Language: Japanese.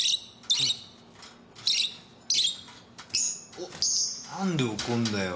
おっ何で怒るんだよ。